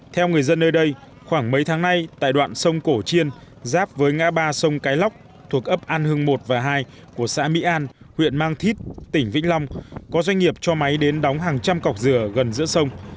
theo người dân nơi đây khoảng mấy tháng nay tại đoạn sông cổ chiên giáp với ngã ba sông cái lóc thuộc ấp an hưng một và hai của xã mỹ an huyện mang thít tỉnh vĩnh long có doanh nghiệp cho máy đến đóng hàng trăm cọc dừa gần giữa sông